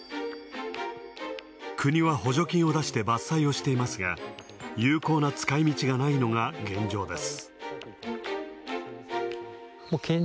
国は補助金を出して伐採をしていますが、有効な使い途がないのが現状です。